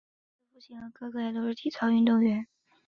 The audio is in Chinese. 她的父亲和哥哥也都是体操运动员。